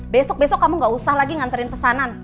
besok besok kamu gak usah lagi nganterin pesanan